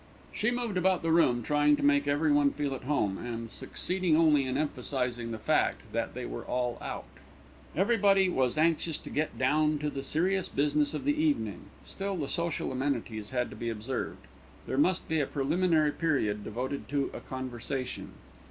She moved about the room, trying to make everyone feel at home, and succeeding only in emphasising the fact that they were all out. Everybody was anxious to get down to the serious business of the evening; still the social amenities had to be observed. There must be a preliminary period devoted to conversation.